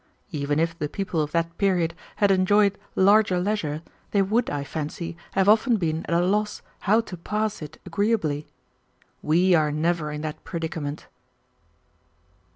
Even if the people of that period had enjoyed larger leisure, they would, I fancy, have often been at a loss how to pass it agreeably. We are never in that predicament."